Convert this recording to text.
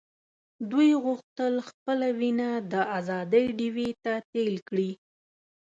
دوی غوښتل خپله وینه د آزادۍ ډیوې ته تېل کړي.